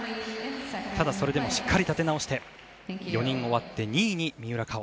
ただそれでもしっかり立て直して４人終わって２位に三浦佳生。